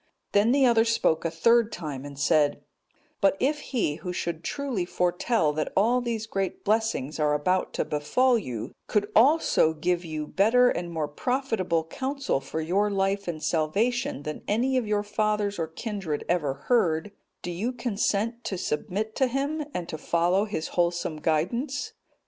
Then the other spoke a third time and said, "But if he who should truly foretell that all these great blessings are about to befall you, could also give you better and more profitable counsel for your life and salvation than any of your fathers or kindred ever heard, do you consent to submit to him, and to follow his wholesome guidance?"